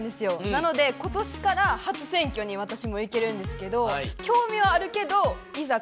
なので今年から初選挙に私も行けるんですけど興味はあるけどいざ